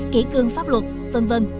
kỹ cương pháp luật v v